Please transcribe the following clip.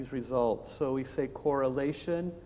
mereka melakukan sesuatu yang tidak